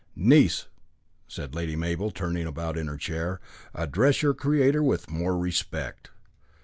"Niece!" said Lady Mabel, turning about in her chair, "address your creator with more respect."